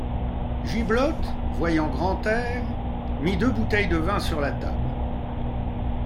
Gibelotte, voyant Grantaire, mit deux bouteilles de vin sur la table.